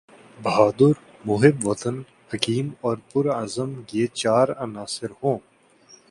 بہادر، محب وطن، حکیم اور پرعزم یہ چار عناصر ہوں۔